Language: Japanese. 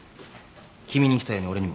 君に来たように俺にも。